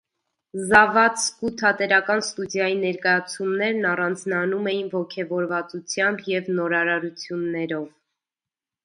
Զավադսկու թատերական ստուդիայի ներկայացումներն առանձնանում էին ոգևորվածությամբ և նորարարություններով։